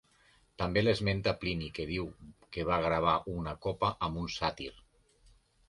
També l'esmenta Plini que diu que va gravar una copa amb un sàtir.